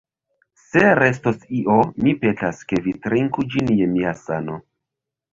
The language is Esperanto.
Se restos io, mi petas, ke vi trinku ĝin je mia sano.